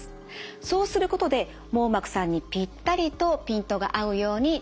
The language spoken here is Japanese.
そうすることで網膜さんにぴったりとピントが合うように調節します。